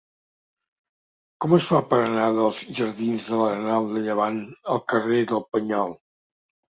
Com es fa per anar dels jardins de l'Arenal de Llevant al carrer del Penyal?